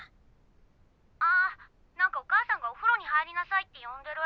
あ何かお母さんがおふろに入りなさいって呼んでる。